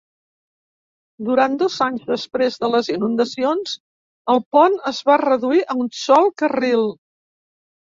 Durant dos anys després de les inundacions, el pont es va reduir a un sol carril.